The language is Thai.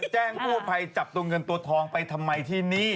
แจ้งกู้ภัยจับตัวเงินตัวทองไปทำไมที่นี่